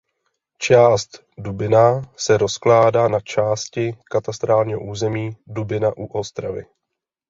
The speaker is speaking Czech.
Část Dubina se rozkládá na části katastrálního území "Dubina u Ostravy".